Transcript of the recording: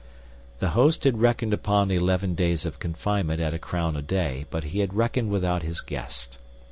The host had reckoned upon eleven days of confinement at a crown a day, but he had reckoned without his guest.